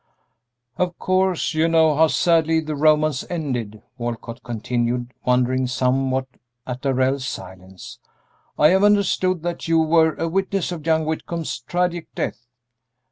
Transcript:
"Of course, you know how sadly the romance ended," Walcott continued, wondering somewhat at Darrell's silence. "I have understood that you were a witness of young Whitcomb's tragic death."